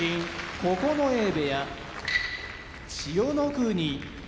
九重部屋千代の国